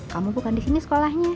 kamu bukan di sini sekolahnya